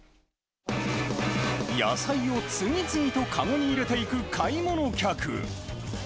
野菜を次々と籠に入れていく買い物客。